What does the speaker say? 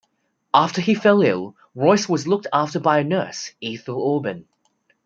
After he fell ill, Royce was looked after by a nurse, Ethel Aubin.